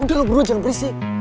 udah lo berdua jangan berisik